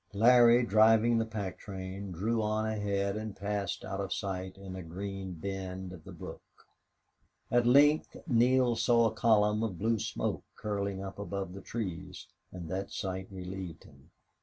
Larry, driving the pack train, drew on ahead and passed out of sight in a green bend of the brook. At length Neale saw a column of blue smoke curling up above the trees, and that sight relieved him.